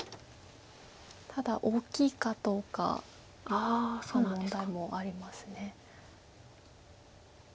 ただ大きいかどうかの問題もあります。